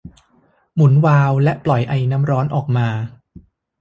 หมุนวาล์วและปล่อยไอน้ำร้อนออกมา